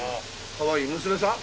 かわいい娘さん？